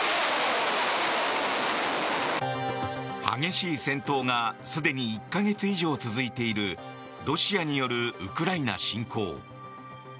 激しい戦闘がすでに１か月以上続いているロシアによるウクライナ侵攻。